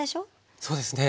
そうですね。